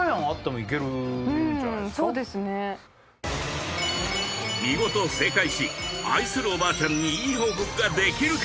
うんそうですね見事正解し愛するおばあちゃんにいい報告ができるか？